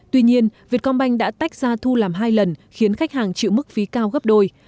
tuy nhiên vietcombank đã tách ra thu làm hai lần khiến khách hàng chịu mức phí cao gấp đôi